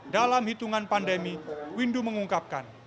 dalam hitungan pandemi windu mengungkapkan